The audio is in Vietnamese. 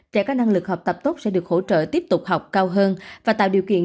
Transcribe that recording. trẻ có năng lực học tập tốt sẽ được hỗ trợ tiếp tục học cao hơn và tạo điều kiện